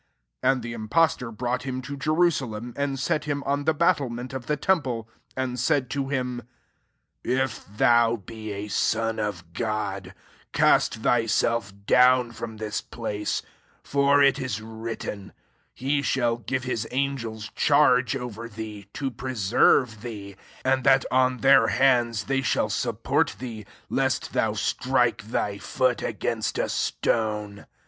" 9 And Mr imfioetor brought him to Jerusalem, and set him on the battlement of the tem ple, and said to him, <^ If thou be a son of Gbd, cast thyself down from this place : 10 for it is written, < He shall give his angels charge over thee, to pre serve thee : 11 and [r^r] on their hands they shall support thee, lest thou strike thy foot against a stone.